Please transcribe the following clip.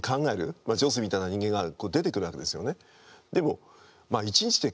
まあ如水みたいな人間が出てくるわけですよね。